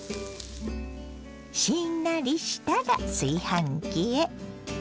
しんなりしたら炊飯器へ。